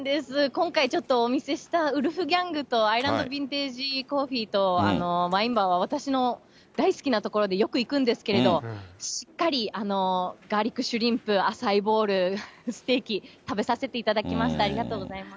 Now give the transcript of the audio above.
今回ちょっと、お見せしたウルフギャングとアイランドビンテージコーヒーとマインバは、私の大好きな所で、よく行くんですけど、しっかりガーリックシュリンプ、アサイーボウル、ステーキ、食べさせていただきました、ありがとうございます。